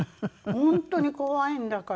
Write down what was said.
本当に怖いんだから。